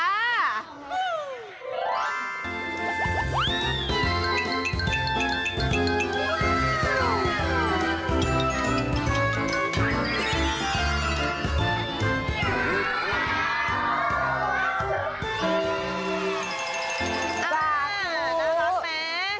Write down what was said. นั่งร้อนแม้